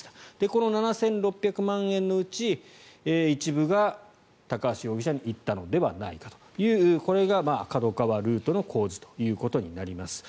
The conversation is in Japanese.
この７６００万円のうち一部が高橋容疑者に行ったのではないかというこれがＫＡＤＯＫＡＷＡルートの構図ということになります。